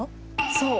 そう。